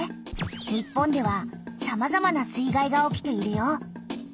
日本ではさまざまな水害が起きているよ。